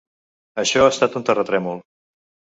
Això ha estat un terratrèmol.